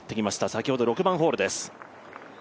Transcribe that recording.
先ほどの６番ホールです。